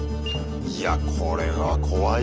いやこれは怖いぞ。